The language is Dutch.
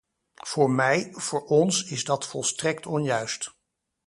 Voor mij, voor ons is dat volstrekt onjuist.